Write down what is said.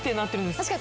確かに。